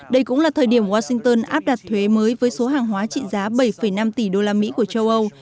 đây cũng là thời điểm washington áp đặt thuế mới với số hàng hóa trị giá bảy năm tỷ đô la mỹ của châu âu